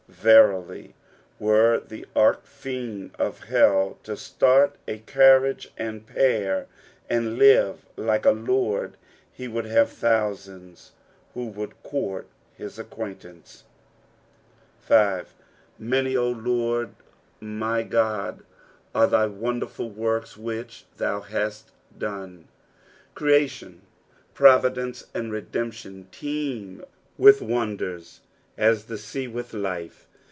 Verily, were the arch fiend of helL to start a carriage and pair, and live like a lord, he would have thousands who would court his acquaintance^ 5. "■Many, O Lord my TTPH, art thy wanderfvi work* uhich thim hatt rftww." Creation, providence, and redemption, teem with wonders as the sea with life.